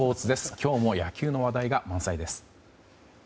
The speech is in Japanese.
今日も野球の話題が満載です。